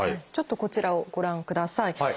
ちょっとこちらをご覧ください。